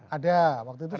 ada waktu itu sudah